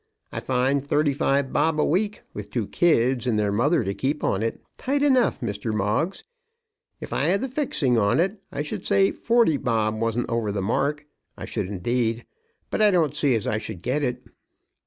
I find thirty five bob a week, with two kids and their mother to keep on it, tight enough, Mr. Moggs. If I 'ad the fixing on it, I should say forty bob wasn't over the mark; I should indeed. But I don't see as I should get it."